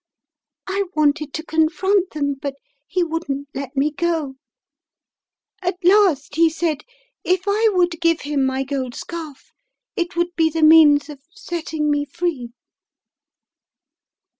I wanted to confront them, but he wouldn't let me go. At last he said if I would give him my gold scarf, it would be the means of setting me free.